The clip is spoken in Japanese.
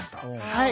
はい。